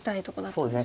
そうですね